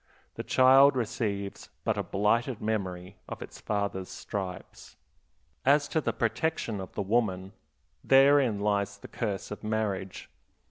The child receives but a blighted memory of its father's stripes. As to the protection of the woman, therein lies the curse of marriage.